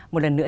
một lần nữa